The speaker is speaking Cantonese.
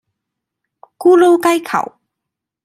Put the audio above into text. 咕嚕雞球